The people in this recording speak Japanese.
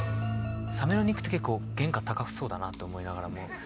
サメの肉って結構原価高そうだなと思いながらも。